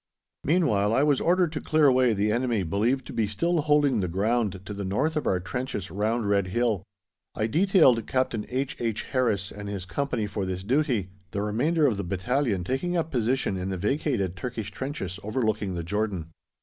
Meanwhile I was ordered to clear away the enemy believed to be still holding the ground to the north of our trenches round Red Hill. I detailed Captain H. H. Harris and his Company for this duty, the remainder of the battalion taking up position in the vacated Turkish trenches overlooking the Jordan.